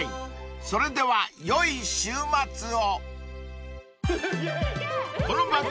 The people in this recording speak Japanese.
［それではよい週末を］